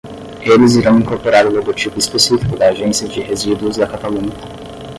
Eles irão incorporar o logotipo específico da Agência de Resíduos da Catalunha.